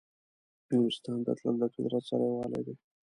نورستان ته تلل د فطرت سره یووالی دی.